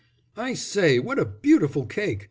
"I say, what a beautiful cake!"